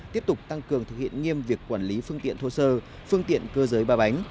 tiếp tục tăng cường thực hiện nghiêm việc quản lý phương tiện thô sơ phương tiện cơ giới ba bánh